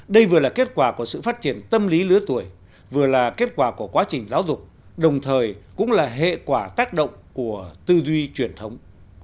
đây vừa là kết quả của sự phát triển tâm lý lứa tuổi vừa là kết quả của quá trình giáo dục đồng thời cũng là hệ quả tác động của tư duy truyền thống